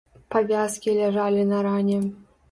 Павязкі ляжалі на ране.